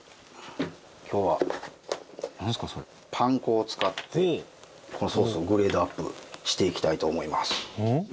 今日はパン粉を使ってこのソースをグレードアップしていきたいと思います。